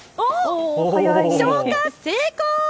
消火成功！